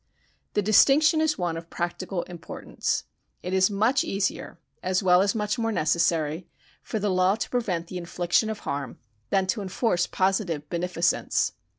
The distinction is one of practical importance. It is much easier, as well as much more necessary, for the law to prevent the infliction of harm than to enforce positive beneficence.